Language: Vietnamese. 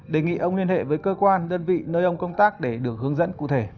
đề nghị ông liên hệ với cơ quan đơn vị nơi ông công tác để được hướng dẫn cụ thể